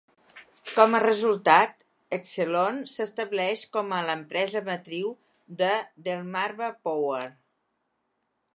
Com a resultat, Exelon s'estableix com a l'empresa matriu de Delmarva Power.